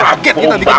rakyat ini nanti